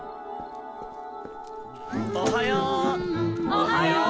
おはよう。